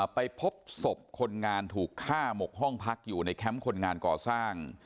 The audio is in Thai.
ไปพบศพคนงานถูกฆ่าหมกห้องพักอยู่ในแคมป์คนงานก่อสร้าง